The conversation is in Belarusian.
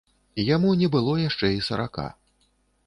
Яму не было яшчэ і сарака.